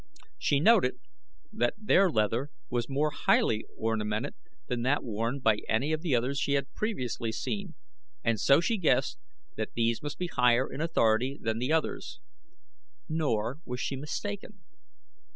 She noted that their leather was more highly ornamented than that worn by any of the others she had previously seen, and so she guessed that these must be higher in authority than the others. Nor was she mistaken.